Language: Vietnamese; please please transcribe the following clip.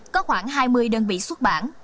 có khoảng hai mươi đơn vị xuất bản